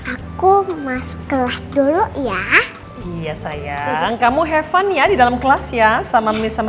aku masuk kelas dulu ya iya sayang kamu heavan ya di dalam kelas ya sama memilih sama